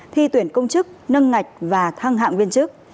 thi tuyển công chức nâng ngạch và thăng hạng viên chức